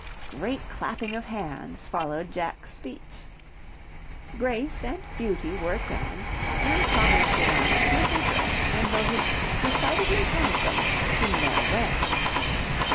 Great clapping of hands followed Jack's speech. "Grace" and "Beauty" were examined, and commented on with much interest, and voted decidedly handsome "in their way."